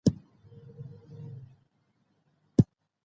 ښځه په ډېر احتیاط سره د سړک له غاړې تېره شوه.